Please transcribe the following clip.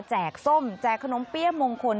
ส้มแจกขนมเปี้ยมงคล